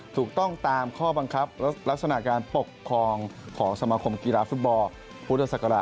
ถูกต้องตามข้อบังคับลักษณะการปกครองของสมาคมกีฬาฟุตบอลพุทธศักราช